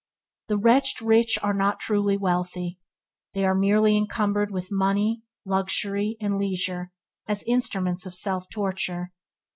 The wretched rich are not truly wealthy. They are merely encumbered with money, luxury, and leisure, as instruments of self torture.